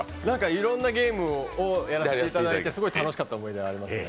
いろんなゲームをやらせていただいて、すごい楽しかった思い出がありますね。